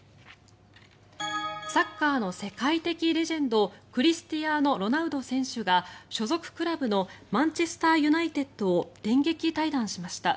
サッカーの世界的レジェンドクリスティアーノ・ロナウド選手が所属クラブのマンチェスター・ユナイテッドを電撃退団しました。